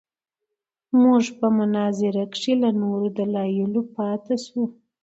موږ په مناظره کې له نورو دلایلو پاتې شوو.